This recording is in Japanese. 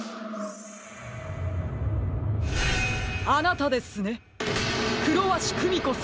あなたですねクロワシクミコさん。